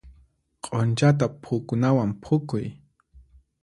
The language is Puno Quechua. Q'unchata phukunawan phukuy.